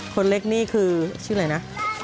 คนเล็กนี่คือชื่ออะไรนะ